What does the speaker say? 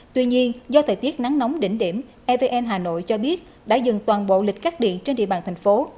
tuy nhiên do thời tiết nắng nóng đỉnh điểm evn hà nội cho biết đã dừng toàn bộ lịch cắt điện trên địa bàn thành phố